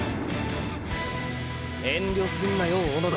遠慮すんなよ小野田。